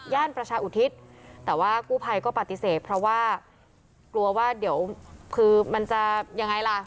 ประชาอุทิศแต่ว่ากู้ภัยก็ปฏิเสธเพราะว่ากลัวว่าเดี๋ยวคือมันจะยังไงล่ะ